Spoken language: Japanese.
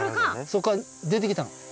そっから出てきたの。